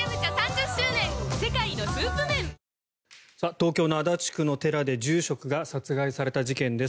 東京の足立区の寺で住職が殺害された事件です。